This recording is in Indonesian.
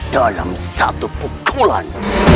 dalam satu pukulan